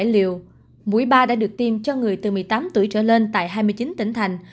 bảy trăm tám mươi ba bảy trăm năm mươi bảy liều mũi ba đã được tiêm cho người từ một mươi tám tuổi trở lên tại hai mươi chín tỉnh thành